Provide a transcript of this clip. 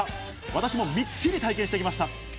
わたしもみっちり体験してきました。